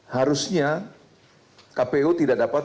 harusnya kpu tidak dapat